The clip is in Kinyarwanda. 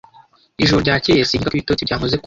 Ijoro ryakeye sinkeka ko ibitotsi byankoze kumaso